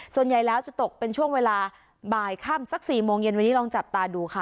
ส่วนใหญ่แล้วจะตกเป็นช่วงเวลาบ่ายค่ำสัก๔โมงเย็นวันนี้ลองจับตาดูค่ะ